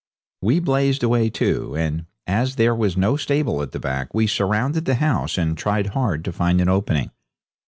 We blazed away too, and as there was no stable at the back we surrounded the house and tried hard to find an opening.